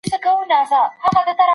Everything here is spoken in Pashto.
زما څه عبادت په عادت واوښتی